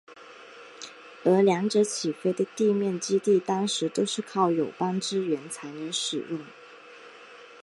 而两者起飞的地面基地当时都是靠友邦支援才能使用。